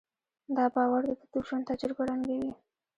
دا باور د ده د ژوند تجربه رنګوي.